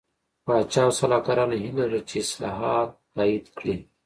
پاچا او سلاکارانو یې هیله لرله چې اصلاحات تایید کړي.